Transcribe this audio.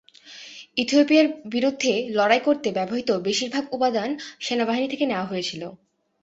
ইথিওপিয়ার বিরুদ্ধে লড়াই করতে ব্যবহৃত বেশিরভাগ উপাদান সেনাবাহিনী থেকে নেওয়া হয়েছিল।